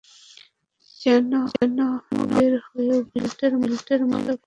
যেন নর্ম বের হয়ে ভেন্টের ময়লা পরিষ্কার করতে পারে।